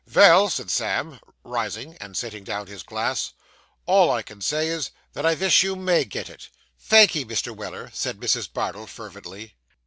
'Vell,' said Sam, rising and setting down his glass, 'all I can say is, that I vish you _may _get it.' 'Thank'ee, Mr. Weller,' said Mrs. Bardell fervently.